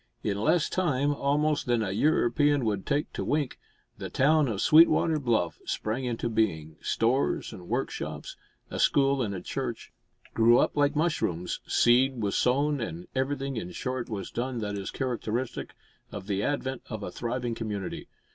In less time, almost, than a European would take to wink, the town of Sweetwater Bluff sprang into being; stores and workshops, a school and a church, grew, up like mushrooms; seed was sown, and everything, in short, was done that is characteristic of the advent of a thriving community.